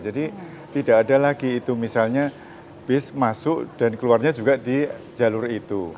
jadi tidak ada lagi misalnya bis masuk dan keluarnya juga di jalur itu